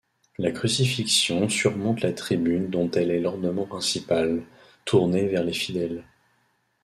La crucifixion surmonte la tribune dont elle est l'ornement principal, tournée vers les fidèles.